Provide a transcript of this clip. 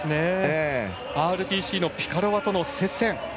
ＲＰＣのピカロワとの接戦。